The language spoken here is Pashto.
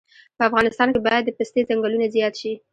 په افغانستان کې باید د پستې ځنګلونه زیات شي